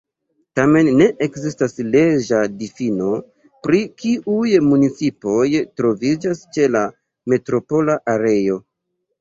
Tamen, ne ekzistas leĝa difino pri kiuj municipoj troviĝas ĉe la metropola areo.